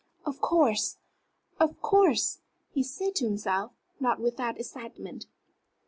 "Of course! Of course!" he said to himself, not without excitement.